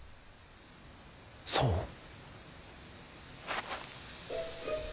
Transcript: そう？